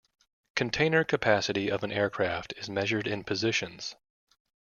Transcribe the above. Container capacity of an aircraft is measured in "positions".